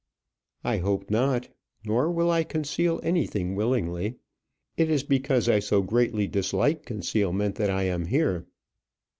"I hope not; nor will I conceal anything willingly. It is because I so greatly dislike concealment that I am here."